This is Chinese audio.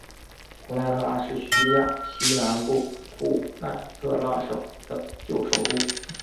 库奈特拉是叙利亚西南部库奈特拉省的旧首都。